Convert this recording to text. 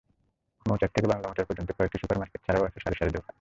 মৌচাক থেকে বাংলামোটর পর্যন্ত কয়েকটি সুপার মার্কেট ছাড়াও আছে সারি সারি দোকান।